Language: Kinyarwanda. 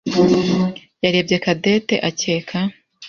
yarebye Cadette akeka.